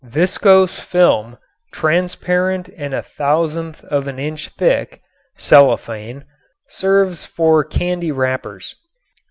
Viscose film, transparent and a thousandth of an inch thick (cellophane), serves for candy wrappers.